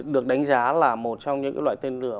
được đánh giá là một trong những loại tên lửa